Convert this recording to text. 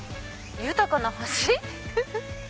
豊かな橋？